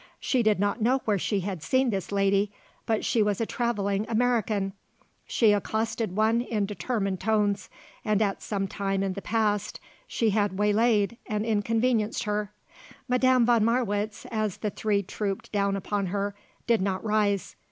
She did not know where she had seen this lady; but she was a travelling American; she accosted one in determined tones, and, at some time in the past, she had waylaid and inconvenienced her. Madame von Marwitz, as the three trooped down upon her, did not rise.